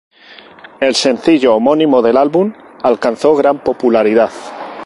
El sencillo homónimo del álbum alcanzó gran popularidad.